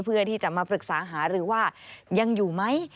เพื่อที่จะมาปรึกษาหารือว่ายังอยู่ไหม